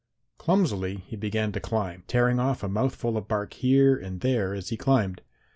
Clumsily he began to climb, tearing off a mouthful of bark here and there as he climbed.